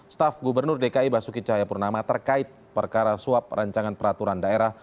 staf gubernur dki basuki cahayapurnama terkait perkara suap rancangan peraturan daerah